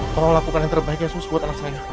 tolong lakukan yang terbaik ya sus buat anak saya